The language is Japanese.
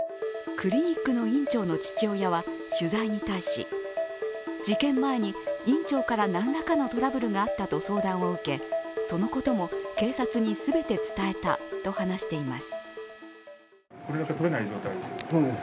クリニックの院長の父親は取材に対し、事件前に院長から何らかのトラブルがあったと相談を受け、そのことも警察に全て伝えたと話しています。